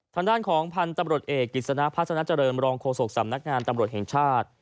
ทางด้านของพันธุ์ตำรวจเอกกิจสนะพัฒนาเจริญรองโฆษกสำนักงานตำรวจแห่งชาติ